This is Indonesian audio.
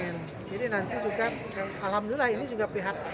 dan juga alhamdulillah ini juga pihak